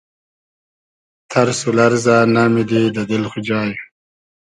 تئرس و لئرزۂ نئمیدی دۂ دیل خو جای